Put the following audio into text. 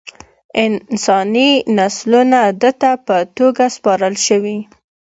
انساني نسلونه ده ته په توګه سپارل شوي.